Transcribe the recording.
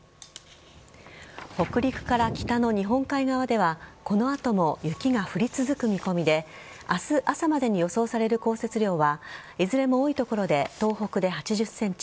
北陸から北の日本海側ではこの後も雪が降り続く見込みで明日朝までに予想される降雪量はいずれも多い所で東北で８０ｃｍ